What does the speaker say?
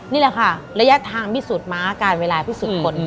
นี่แหละค่ะระยะทางพิสูจน์ม้าการเวลาพิสูจน์คน